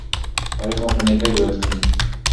تاریخ مو په نیکۍ یاد کړي.